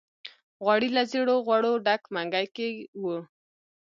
غوړي له زېړو غوړو ډک منګي کې وو.